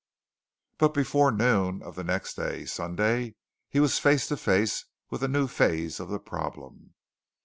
But before noon of the next day Sunday he was face to face with a new phase of the problem.